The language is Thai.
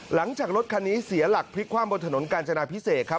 รถคันนี้เสียหลักพลิกความบนถนนกาญจนาพิเศษครับ